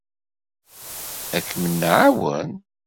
Ad kem-nɛawen.